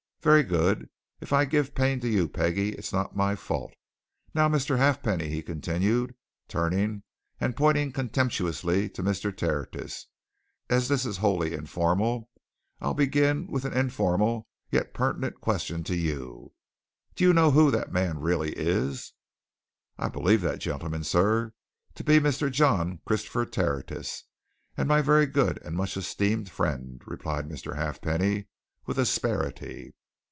Very good if I give pain to you, Peggie, it's not my fault. Now, Mr. Halfpenny," he continued, turning and pointing contemptuously to Mr. Tertius, "as this is wholly informal, I'll begin with an informal yet pertinent question, to you. Do you know who that man really is?" "I believe that gentleman, sir, to be Mr. John Christopher Tertius, and my very good and much esteemed friend," replied Mr. Halfpenny, with asperity.